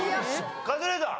カズレーザー。